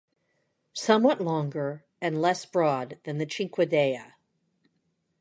Somewhat longer and less broad than the cinquedea.